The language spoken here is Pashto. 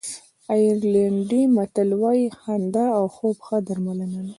آیرلېنډي متل وایي خندا او خوب ښه درملنه ده.